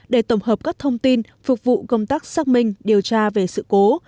để tổng hợp các thông tin phục vụ công tác xác minh điều tra về sự cố